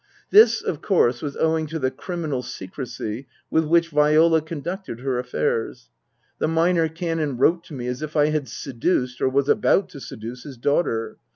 This, of course, was owing to the criminal secrecy with which Viola conducted her affairs. The Minor Canon wrote to me as if I had seduced, or was about to seduce, his daughter.